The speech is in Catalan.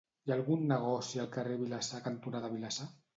Hi ha algun negoci al carrer Vilassar cantonada Vilassar?